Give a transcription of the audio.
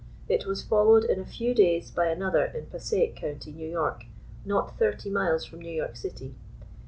It was followed in a few days by another in Passaic County, N. Y., not thirty miles from New York city.